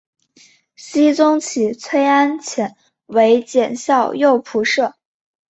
僖宗起崔安潜为检校右仆射。